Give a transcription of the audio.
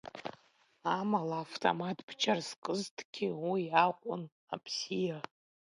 Амала, автомат бџьар скызҭгьы, уи акәын абзиа.